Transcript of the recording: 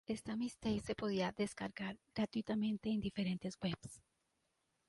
Ésta mixtape se podía descargar gratuitamente en diferentes webs.